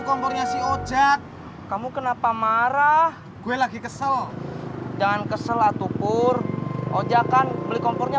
kompornya si ojak kamu kenapa marah gue lagi kesel dan kesel atukur ojak kan beli kompornya